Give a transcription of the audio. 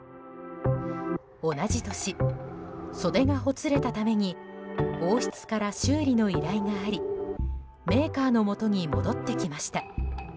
同じ年、袖がほつれたために王室から修理の依頼がありメーカーの元に戻ってきました。